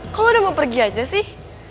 kok lo udah mau pergi aja sih